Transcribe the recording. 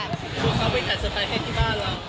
พี่เค้าไปถ่ายสไฟแค่ที่บ้านเหรอ